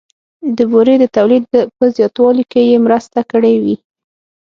د بورې د تولید په زیاتوالي کې یې مرسته کړې وي